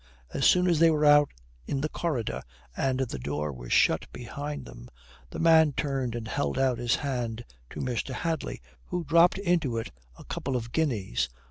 As soon as they were out in the corridor and the door was shut behind them, the man turned and held out his hand to Mr. Hadley, who dropped into it a couple of guineas.